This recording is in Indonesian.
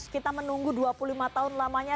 kita menunggu dua puluh lima tahun lamanya